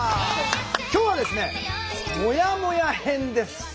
今日はですね「もやもや編」です。